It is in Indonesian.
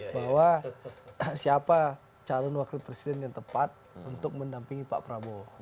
bahwa siapa calon wakil presiden yang tepat untuk mendampingi pak prabowo